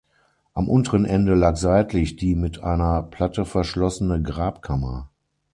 Am unteren Ende lag seitlich die mit einer Platte verschlossene Grabkammer.